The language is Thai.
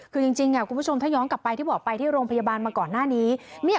คือจริงคุณผู้ชมถ้าย้อนกลับไปที่บอกไปที่โรงพยาบาลมาก่อนหน้านี้